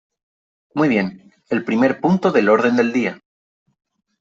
Muy bien , el primer punto del orden del día .